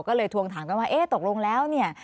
ก็เลยทวงถามกันว่าเอ๊ะตกลงแล้วเนี่ย